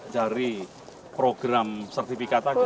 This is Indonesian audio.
dari program sertifikat